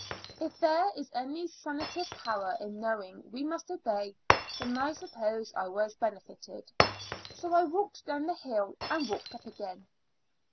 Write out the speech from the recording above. If there is any sanitive power in knowing we must obey, then I suppose I was beneHted; so I walked down the hill, and walked up again.